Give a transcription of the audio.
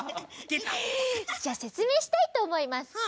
じゃあせつめいしたいとおもいます。